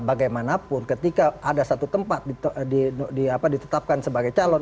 bagaimanapun ketika ada satu tempat ditetapkan sebagai calon